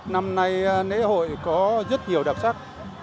năm nay lễ hội có rất nhiều đặc sắc